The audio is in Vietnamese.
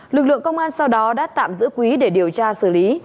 lực lượng công an sau đó đã tạm giữ quý để điều tra xử lý